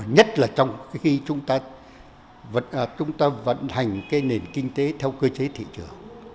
nhất là trong khi chúng ta vận hành cái nền kinh tế theo cơ chế thị trường